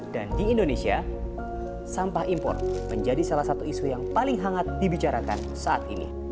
dan di indonesia sampah impor menjadi salah satu isu yang paling hangat dibicarakan saat ini